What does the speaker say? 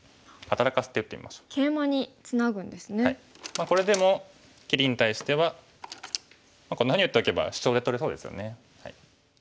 まあこれでも切りに対してはこんなふうに打っておけばシチョウで取れそうですよね。